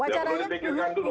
wacaranya pilih lagi